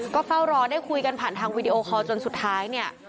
ก็เฝ้ารอได้คุยกันผ่านทางวีดีโอคอลจนสุดท้ายเนี่ย